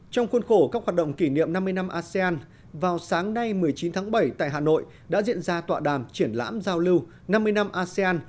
trong khuôn khổ các hoạt động kỷ niệm năm mươi năm asean vào sáng nay một mươi chín tháng bảy tại hà nội đã diễn ra tọa đàm triển lãm giao lưu năm mươi năm asean